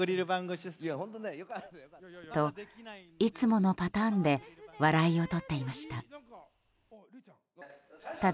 と、いつものパターンで笑いをとっていました。